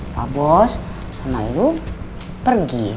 pak bos sama ibu pergi